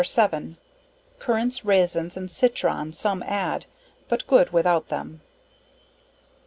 7. Currants, raisins and citron some add, but good without them.